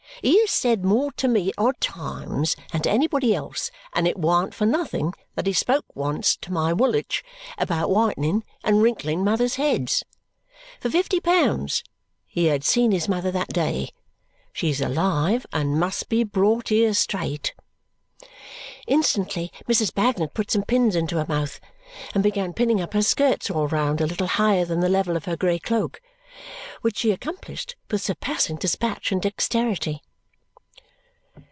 He has said more to me at odd times than to anybody else, and it warn't for nothing that he once spoke to my Woolwich about whitening and wrinkling mothers' heads. For fifty pounds he had seen his mother that day. She's alive and must be brought here straight!" Instantly Mrs. Bagnet put some pins into her mouth and began pinning up her skirts all round a little higher than the level of her grey cloak, which she accomplished with surpassing dispatch and dexterity.